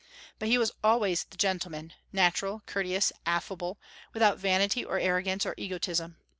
But he was always the gentleman, natural, courteous, affable, without vanity or arrogance or egotism.